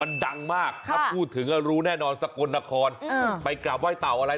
มันดังมากถ้าพูดถึงก็รู้แน่นอนสกลนครไปกราบไห้เต่าอะไร